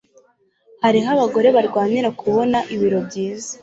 hariho abagore barwanira kubona ibiro byiza